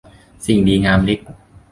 สิ่งดีงามเล็ก